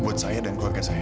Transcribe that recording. buat saya dan keluarga saya